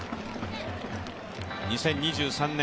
２０２３年